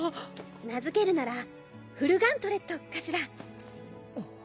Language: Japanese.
名付けるなら「フルガントレット」かしら。